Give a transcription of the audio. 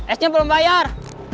esnya belum bayar